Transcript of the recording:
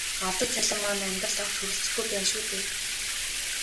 Авдаг цалин маань амьдралд огт хүрэлцэхгүй байна шүү дээ.